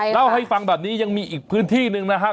เล่าให้ฟังแบบนี้ยังมีอีกพื้นที่หนึ่งนะครับ